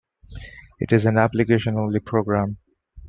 It is an application-only program.